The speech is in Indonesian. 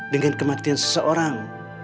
dengan kematian seseorang